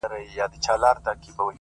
که دا دنیا او که د هغي دنیا حال ته ګورم”